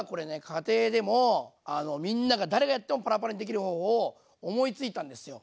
家庭でもみんなが誰がやってもパラパラにできる方法を思いついたんですよ。